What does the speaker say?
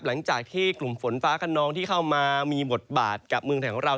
หลังจากที่กลุ่มฝนฟ้าขนองที่เข้ามามีบทบาทกับเมืองไทยของเรา